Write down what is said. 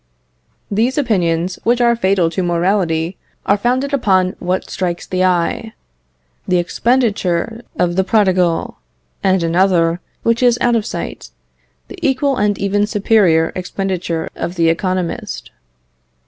These opinions, which are fatal to morality, are founded upon what strikes the eye: the expenditure of the prodigal; and another, which is out of sight, the equal and even superior expenditure of the economist.